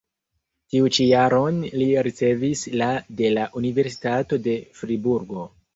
Tiu ĉi jaron li ricevis la de la Universitato de Friburgo.